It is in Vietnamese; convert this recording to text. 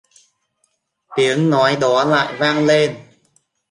Tiếng nói đó lại vang lên